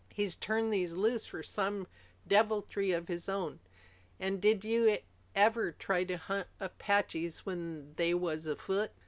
"He's turned these loose for some deviltry of his own. An' did you ever try to hunt Apaches when they was afoot?"